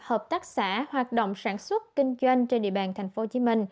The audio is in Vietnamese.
hợp tác xã hoạt động sản xuất kinh doanh trên địa bàn tp hcm